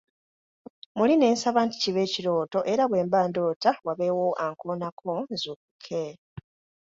Muli ne nsaba kibe ekirooto nti era bwe mba ndoota wabeewo ankoonako nzuukuke.